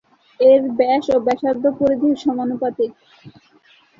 এর ব্যাস ও ব্যাসার্ধ পরিধির সমানুপাতিক।